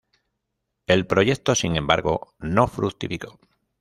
El proyecto, sin embargo, no fructificó.